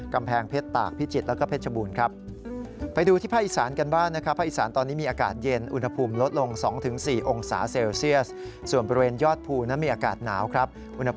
กำแพงเพชรตากพิจิตรแล้วก็เพชรบูรณ์ครับ